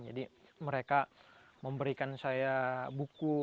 jadi mereka memberikan saya buku